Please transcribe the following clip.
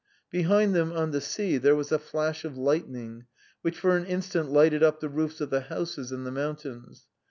Behind them on the sea, there was a flash of lightning, which for an instant lighted up the roofs of the houses and the mountains.